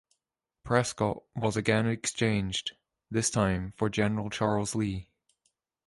Prescott was again exchanged, this time for General Charles Lee.